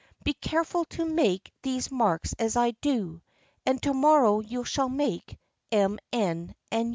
Be careful to make these marks as I do ; And to morrow you shall make m, n, and u."